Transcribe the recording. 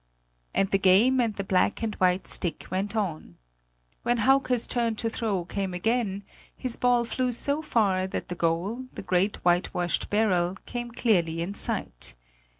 And the game and the black and white stick went on. When Hauke's turn to throw came again, his ball flew so far, that the goal, the great whitewashed barrel, came clearly in sight.